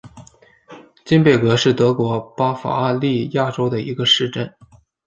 金贝格是德国巴伐利亚州的一个市镇。